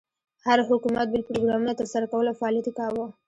هر حکومت بېل پروګرامونه تر سره کول او فعالیت یې کاوه.